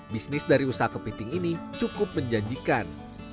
bisnis dari usaha kepiting ini cukup menjanjikan